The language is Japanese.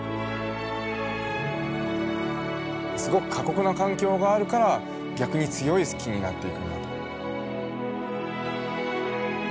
すごく過酷な環境があるから逆に強い木になっていくんだと。